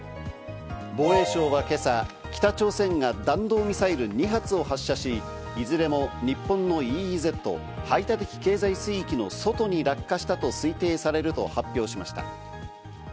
防衛省は今朝、北朝鮮が弾道ミサイル２発を発射し、いずれも日本のＥＥＺ＝排他的経済水域の外に落下したと推定されると発表しました。